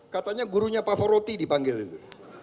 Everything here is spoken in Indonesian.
katanya gurunya pavarotti dipanggil itu